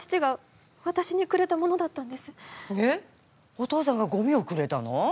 お父さんがゴミをくれたの？